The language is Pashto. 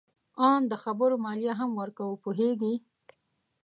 آن د خبرو مالیه هم ورکوو. پوهیږې؟